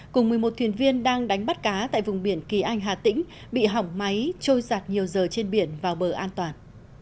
cùng một mươi một thuyền viên đang đánh bắt cá tại vùng biển kỳ anh hà tĩnh bị hỏng máy trôi giạt nhiều giờ trên biển vào bờ an toàn